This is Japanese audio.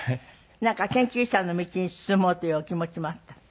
研究者の道に進もうというお気持ちもあったの？